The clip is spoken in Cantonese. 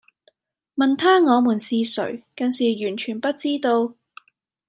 問她我們是誰更是完全不知道